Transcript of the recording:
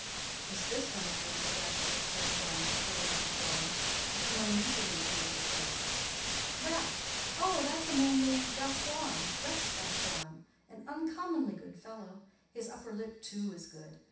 "Is this one of your undergraduates?" said Deronda, holding up a drawing. "It's an unusually agreeable face." "That! Oh, that's a man named Gascoigne—Rex Gascoigne. An uncommonly good fellow; his upper lip, too, is good.